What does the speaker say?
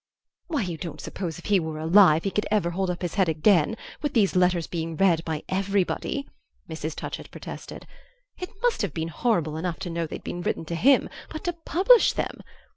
"Why, you don't suppose if he were alive he could ever hold up his head again, with these letters being read by everybody?" Mrs. Touchett protested. "It must have been horrible enough to know they'd been written to him; but to publish them!